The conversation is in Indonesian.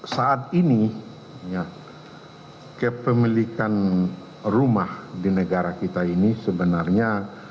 saat ini kepemilikan rumah di negara kita ini sebenarnya